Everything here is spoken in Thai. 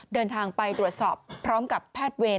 เดินทางไปตรวจสอบพร้อมกับแพทย์เวร